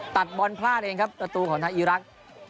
ตัดบอลพลาดเองครับละตูของไทยอีรัก